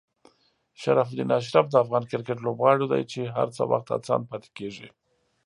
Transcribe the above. شرف الدین اشرف د افغان کرکټ لوبغاړی دی چې هر وخت هڅاند پاتې کېږي.